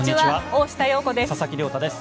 大下容子です。